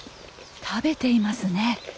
食べていますね。